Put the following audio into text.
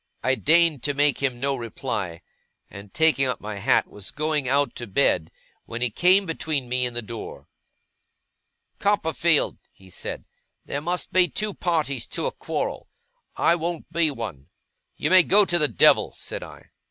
I deigned to make him no reply; and, taking up my hat, was going out to bed, when he came between me and the door. 'Copperfield,' he said, 'there must be two parties to a quarrel. I won't be one.' 'You may go to the devil!' said I.